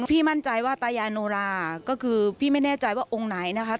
พี่มั่นใจว่าตายาโนราก็คือพี่ไม่แน่ใจว่าองค์ไหนนะคะ